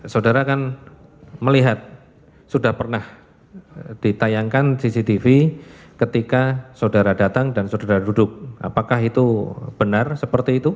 saudara kan melihat sudah pernah ditayangkan cctv ketika saudara datang dan saudara duduk apakah itu benar seperti itu